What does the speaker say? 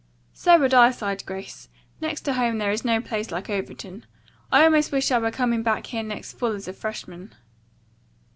"So would I," sighed Grace. "Next to home there is no place like Overton. I almost wish I were coming back here next fall as a freshman."